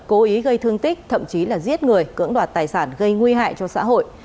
cố ý gây thương tích thậm chí là giết người cưỡng đoạt tài sản gây nguy hại cho xã hội